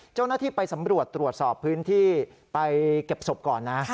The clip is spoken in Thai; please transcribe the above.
เจ้าหน้าที่ไปสำรวจตรวจสอบพื้นที่ไปเก็บศพก่อนนะ